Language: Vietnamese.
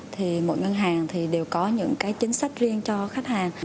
thì mỗi ngân hàng thì đều có những cái chính sách riêng cho khách hàng